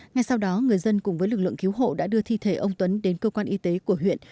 ngay sau đó người dân cùng với lực lượng cứu hộ đã đưa thi thể ông tuấn đến cơ quan y tế của huyện